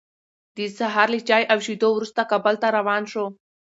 د سهار له چای او شیدو وروسته، کابل ته روان شوو.